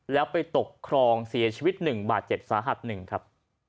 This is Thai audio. แล้วไปตกครองเสียชีวิตหนึ่งบาทเจ็บสาหัสหนึ่งครับ